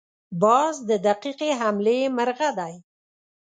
باز د دقیقې حملې مرغه دی